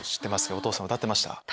お父さん歌ってました。